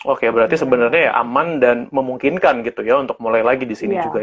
oke berarti sebenarnya ya aman dan memungkinkan gitu ya untuk mulai lagi di sini juga ya